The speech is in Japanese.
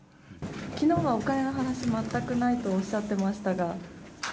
きのうはお金の話、全くないとおっしゃってましたが。